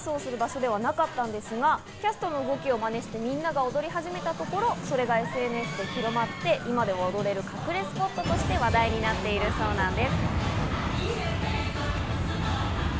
実はこの場所は、もともとダンスをする場所ではなかったんですが、キャストの動きをまねしてみんなが踊り始めたところ、それがＳＮＳで広まって、今では踊れる隠れスポットとして話題になっているそうです。